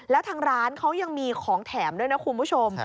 แล้วทางร้านเขายังมีของแถมด้วยนะคุณผู้ชม